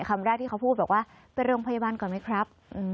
คำแรกที่เขาพูดแบบว่าเป็นเรื่องพยาบาลก่อนไหมครับ